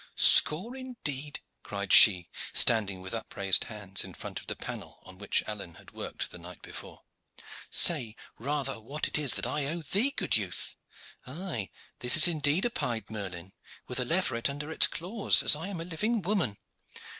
"Score, indeed!" cried she, standing with upraised hands in front of the panel on which Alleyne had worked the night before. "Say, rather what it is that I owe to thee, good youth. Aye, this is indeed a pied merlin, and with a leveret under its claws, as I am a living woman.